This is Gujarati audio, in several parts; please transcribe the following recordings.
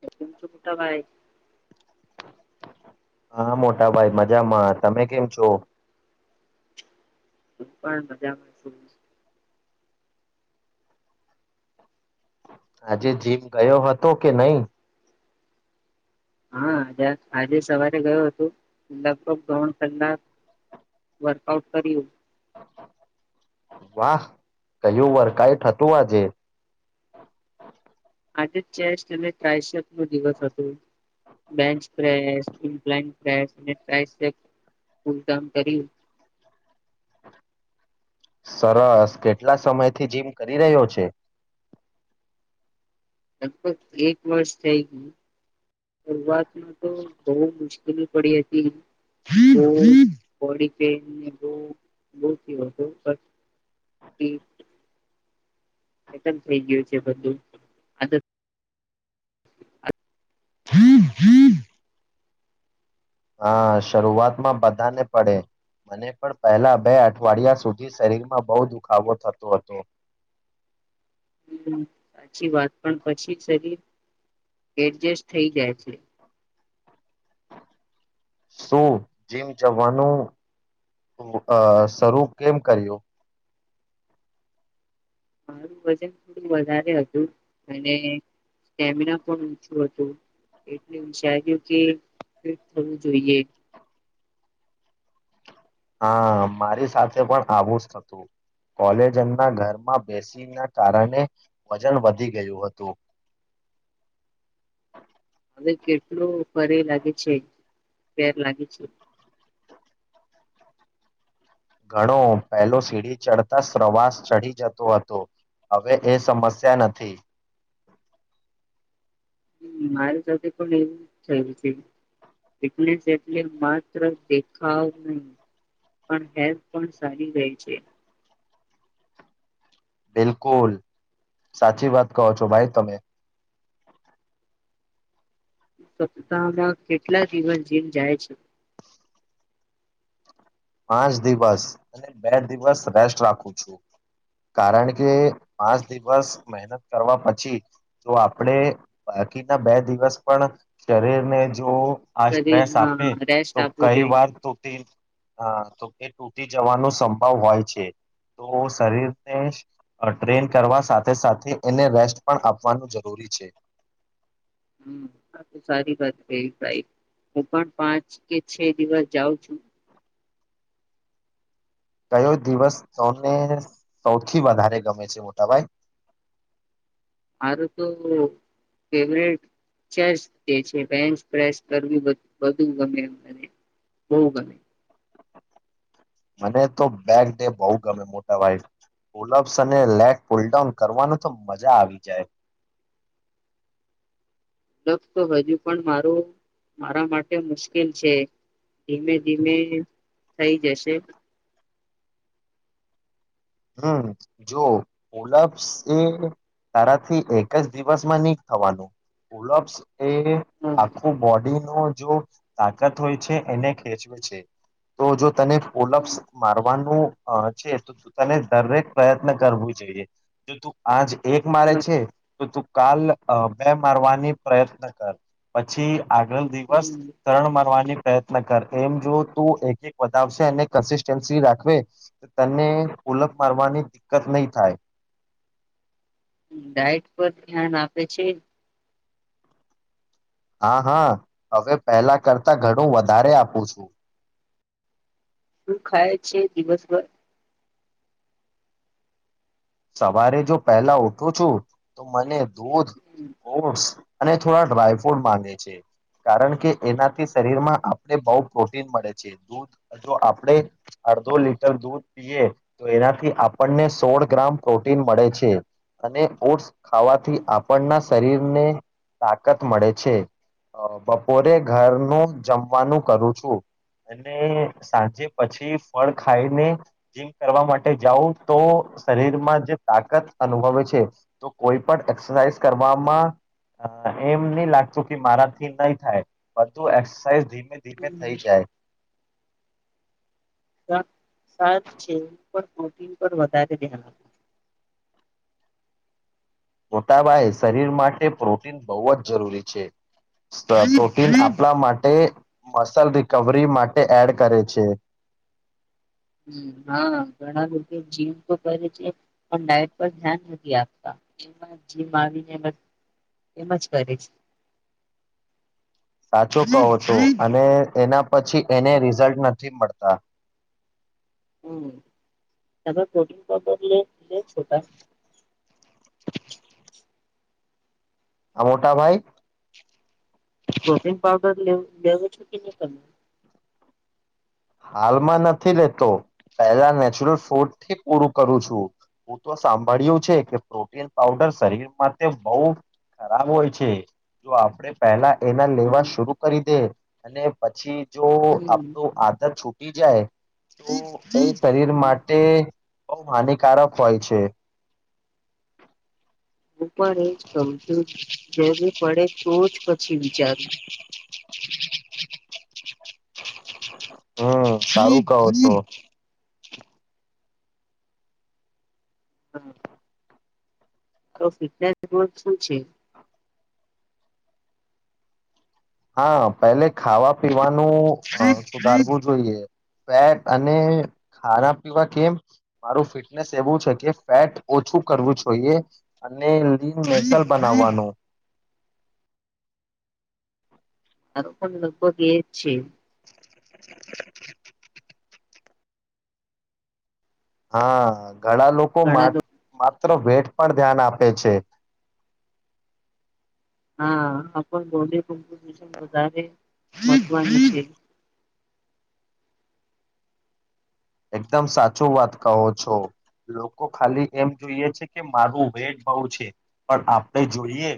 તમ [unintelligible] ભાઈ હા મોટાભાઈ મજામાં તમે કેમ છો હું પણ મજા શું આજે જીમ ગયો હતો કે નઈ હા આજે સવારે ગયો હતો લગભગ દોણ કલાક વર્કઆઉટ કર્યું વાહ કયું વરકાઈટ હતું આજે આજે ચેસટ નુ દિવસ હતુ [unintelligible] સરસ કેટલા સમય થી જીમ કરી રહ્યો છે લગભગ એક વર્ષ થઈ ગયું શરૂઆત તો બો મુશ્કેલ [unintelligible] પડી હતી હ પડી [inaudible] એક જ થઈ ગયું છે બધું આદત [inaudible] હા શરૂઆતમાં બધાને પડે મને પણ પહેલા બે અઠવાડિયા સુધી શરીરમાં બો દુખાવો થતો હતો સાચી વાત પણ પછી શરીર એડજસ્ટ થઈ જાય છે શું જીમ જવાનું અ શરૂ કેમ કર્યું મારું વજન થોડું વધારે હતું અને સ્ટેમિના પણ ઓછું હતું એટલે વિચાર્યું કે ફિટ થવું જોઈએ હા મારી સાથે પણ આવું જ હતું કોલેજ એના ઘરમાં બેસીને કારણે વજન વધી ગયું હતું તે કેટલું ભારે લાગે છે ફેર લાગે છે. ઘણો પહેલો સીડી ચડતા શવાસ ચઢી જતો હતો હવે એ સમસ્યા નથી મારી સાથે પણ એવું થયું છે એટલે માત્ર દેખાવ નહી પણ હેથ પણ સારી રેય છે. બિલકુલ સાચી વાત કહો છો ભાઈ તમે સપ્તાહમાં કેટલા દિવસ જીવ જાય છે પાંચ દિવસ અને બે દિવસ રેસ્ટ રાખું છું કારણ કે પાંચ દિવસ મહેનત કરવા પછી જો આપણેે બાકીના બે દિવસ પણ શરીરને જો આ શરીર સ્ટ્રેસ આપે હા રેસ્ટ તો આપવું કઈ જોઈએ વાર તો તે હા તો એ તૂટી જવાનો સંભવ હોય છે તો શરીરને ટ્રેન કરવા સાથે સાથે એને રેસ્ટ પણ આપવાનું જરૂરી છે. હમ સારી વાત ભાઈ હું પણ પાંચ કે છે દિવસ જાઉં છું કયો દિવસ સૌને સૌથી વધારે ગમે છે મોટાભાઈ મારું તો ફેવરેટ ચેસટ ડે છે બેન્ચ સ્પેસર કરવુ બધું ગમે બો ગમે મને તો બેક ડે બો ગમે મોટા ભાઈ પુલપ્સ અને લેક પુલડાઉન કરવાનું તો મજા આવી જાય [unintelligible] તો હજુ પણ મારું મારા માટે મુશ્કેલ છે ધીમે ધીમે થઈ જશે હમ જો‌ પુલપ્સ એ તારાથી એક જ દિવસમાં ની થવાનું પુલ્સ એ હમ આખું બોડી તો હોય છે એને ખેચવે છે તો જો તને પોલપ્સ હમ, મારવાનું અ છે. તને દરેક પ્રયત્ન કરવો જોઈએ જો તું આજ એક મારે છે. તો તું કાલ અ બે મારવાની પ્રયત્ન કર પછી આગળ દિવસ હમ. ત્રણ મા પ્રયત્ન કર એમ જો તુ એક એકશે કસી રાખ તને ઓલખ મારવાની દિક્કત નહીં થાય ડાયટ પર ધ્યાન આપે છે. હા હા હવે પહેલા કરતા ઘણું વધારે આપું છું. શું ખાય છે દિવસભર સવારે જો પેલા ઉઠું છું તો મને દૂધ હમ, ઓસ અને થોડા ડ્રાયફ્રૂટ માંગે છે. કારણ કે એનાથી શરીરમાં આપણે બઉુ પ્રોટીન મળે છે. દૂધ જો આપણે અડધો લીટર દૂધ પીએ તો એનાથી આપણને સોળ ગ્રામ પ્રોટીન મળે છે. અને ઓટ્સ ખાવાથી આપણના શરીરને તાકાત મળે છે. અ બપોરે ઘરનું જમવાનું કરું છું. અને સાંજે પછી ફળ ખાઈને જીમ કરવા માટે જાઉ તો શરીરમાં જે તાકાત અનુભવે છે. તો કોઈ પણ એક્સરસાઇઝ કરવામાં અહ એમ નહી લાગતું કે મારાથી નહી થાય. બધુ એક્સરસાઇઝ ધીમે ધીમે હમ. થઈ જાય. જીમ પર વધ ધ્યાન આપુ મોતા ભાઈ, શરીર માટે પ્રોટીન બહુ જ જરૂરી છે. પ્રોટીન [unintelligible] આપડા માટે હમ. મસલ કવરી માટે એડ કરે છે. હમ્મ હા. ઘણા લોકો જીમ તો કરે છે પણ ડાયટ પર ધ્યાન નથી આપતા. એમા જીમ આવીને એમ જ કરે છે સાચું કહો છું. અને એના પછી એને રિઝલ્ટ નથી મળતા. હમ્મ. તમે પ્રોટીન પાવર લો છો કા [inaudible] આ મોટા ભાઈ? પ્રોટીન પાવડર લે લેવો છો કે નહી? કર હાલમાં નથી લેતો. પહેલા નેચરલ ફૂડ થી પૂરું કરું છું. હું તો સાંભળ્યું છે કે પ્રોટીન પઉડર શરીર માટે બઉ ખરાબ હોય છે. જો આપણેે પહેલા એના લેવા હમ શરુ કરી દે અને પછી જો હમ આપડો આ છુટી જાય તો એ શરીર હમ માટે બહુ હાનિકારક હોય છે. હું પણ એજ કરૂ છું. જે પડે તો જ પછી વિચારું હમ્મ સારું કાવો તો [inaudible] તો ફિટનેસ ગોલ શું છે? હા પહેલે ખાવા પીવાનું સુધારવું જોઈએ. ફેટ અને ખાવા પીવા કેમ મારું ફિટનેસ એવું છે કે, ફેટ ઓછું કરવું જોઈએ. અને લીન નેચરલ બનાવવાનું મારુ પણ લગભગ લગભગ એ છે. [inaudible] હા. ઘણા લોકો મા ઘણા લોકો મા ત્રો વેટ પણ ધ્યાન આપે છે. હા આપણ બોલી બધાની મહવની છે. એકદમ સાચો વાત કહો છો. લોકો ખાલી એમ જોઈએ છે કે મારું વેટ બહુ છે. પણ આપણે જોઈએ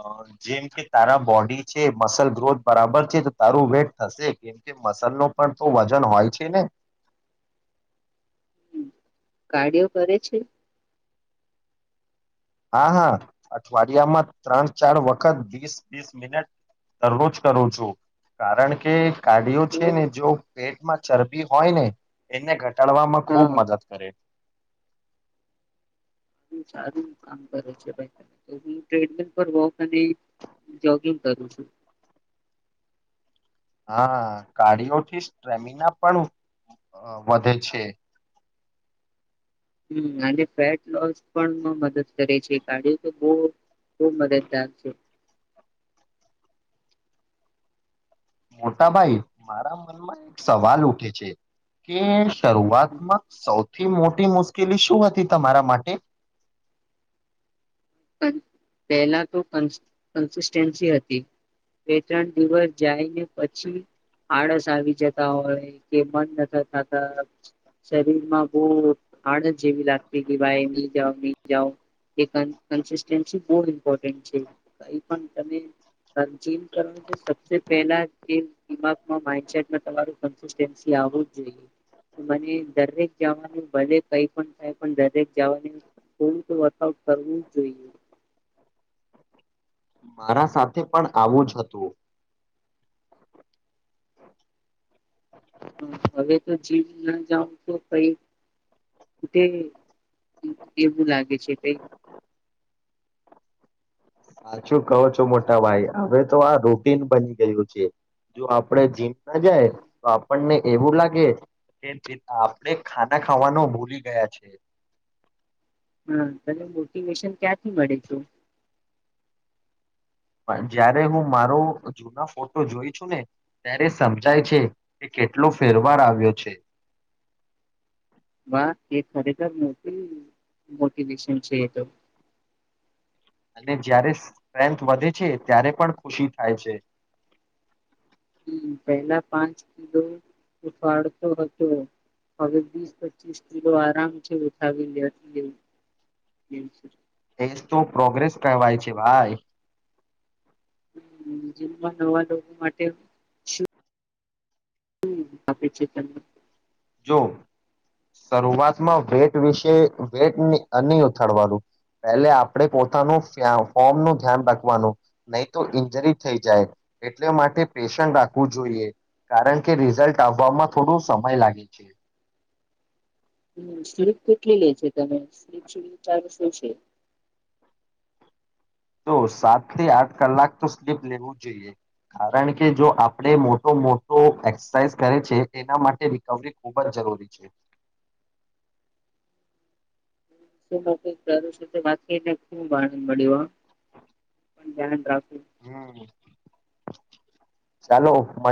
અ જેમ કે તારા બોડી છે. મસલ ગ્રોથ બરાબર છે. તો તારું વેટ થશે કેમ કે મસલ નો પણ તો વજન હોય છે ને. કારાડીયો કરે છે? હા હા અઠવાડિયામાં ત્રણ ચાર વખત વીસ વીસ મિનટ દરરોજ કરું છું. કારણ કે કાઢિઓ તો છે ને જો પેટમાં ચરબી હોય ને એને ઘટાડવામાં હા ખૂબ મદદ કરે. બહુ સારું કામ કરે ટ્રેડમિલ પર વોક નહીં જોગિંગ કરું છું. હા કાર્ડીયોથી સ્ટ્રેમિના પણ અ વધે છે. હમ અને ફેટ લોસ પણ નુ મદદ કરે છે. કાર્ડિયો તો બો બો મદદદાર છે. મોટાભાઈ મારા મનમાં એક સવાલ ઉઠે છે કે શરૂઆતમક સૌ થી મોટી મુશ્કેલી શું હતી તમારા માટે? પણ પહેલા તો કન, કન્સિસ્ટન્સી હતી બે ત્રણ દિવસ જાયને પછી આળસ આવી જતા હોય કે મન નાતા થતા, શરીરમાં બહુ આળસ જેવી લાગતી કે ભાઈ નહીં જાવ, નહીં જાવ આવી કે કન્સિસ્ટન્સી બહુ જ ઇમ્પોર્ટન્ટ છે કઈ પણ તમે જીમ કરવા છે સબસે પહેલા તે દિમાગમાં માઈન્ડસેટમાં તમારું કન્સિસ્ટન્સી આવું જ જોઈએ મને દરેક જવાનું ભલે કંઈ પણ થાય પણ દરેક જવાનું તો વર્કઆઉટ કરવું. જોઈએ મારા સાથે પણ આવું જ હતું. હ હવે તો જીમના જાવ તો કઈ ખૂટે એવું લાગે છે કઈ સાચું કહો છો મોટા ભાઈ, હવે તો આ રૂટીન બની ગયું છે. જો આપણે જીમ ના જાય, તો આપણને એવું લાગે કે આપણે ખાના ખાવાનો ભૂલી ગયા છે. હા તને મોટિવેશન ક્યાંથી મળે છું? જ્યારે હું મારો જૂના ફોટો જોઈ છું ને ત્યારે સમજાય છે કે કેટલો ફેરવાર આવ્યો છે. વાહ! એ ખરેખર મોટી મોટિવેશન છે એ તો. અને જ્યારે સ્ટ્રેન્થ વધે છે ત્યારે પણ ખુશી થાય છે. હમ પહેલા પાંચ કિલો ઉપાડતો હતો હવે વીસ પચીસ કિલો આરામ છે ઉઠાવી લેઇ, લેઉ, લેઉ છું. એસ તો પ્રોગ્રેસ કહેવાય છે ભાઈ. જેમમાં નવા લોકો માટે શું? [unintelligible] જો સરૂઆતમાં વેટ વિશે વેટ નહી ઉથાડવાનું, પહેલે આપણે પોતાનું ફી, ફોમનું ધ્યાન રાખવાનું નહી તો ઈન્જરી થઈ જાય. એટલે માટે પેશન રાખવું જોઈએ કારણ કે રિઝલ્ટ આવવામાં થોડો સમય લાગે. [inaudible] હમ સ્લીપ કેટલી લે છે તમે સ્લીપ [unintelligible] ચાલો શું છે? તો સાત થી આઠ કલાક તો સ્લીપ લેવું જોઈએ કારણ કે જો આપણે મોટો મોટો એક્સરસાઇઝ કરે છે એના માટે રિકવરી ખૂબ જ જરૂરી છે. શું મોક કરું [unintelligible] વાકીને [unintelligible] મળ્યું આ? [unintelligible] હમ્મ.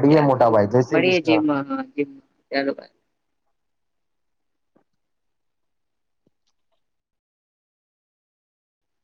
ચાલો, મળીએે જીમમાં હમણાં, ચાલો બાય